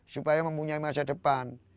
supaya mempunyai masa depan